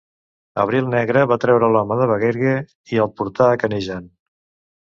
Abril negre va treure l'home de Bagergue i el portà a Canejan.